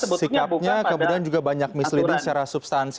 sikapnya kemudian juga banyak misleading secara substansi